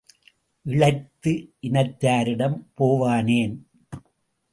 இளைத்து இனத்தாரிடம் போவானேன்?